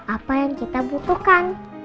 apa yang kita butuhkan